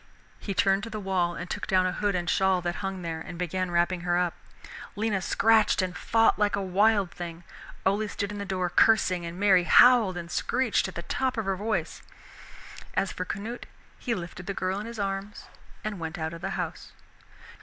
He turned to the wall and took down a hood and shawl that hung there, and began wrapping her up. Lena scratched and fought like a wild thing. Ole stood in the door, cursing, and Mary howled and screeched at the top of her voice. As for Canute, he lifted the girl in his arms and went out of the house.